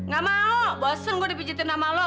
gak mau bosen gue dipijetin sama lu